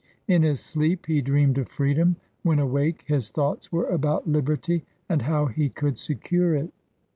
In his sleep, he dreamed of freedom; when awake, his thoughts were about liberty, and how he could secure it.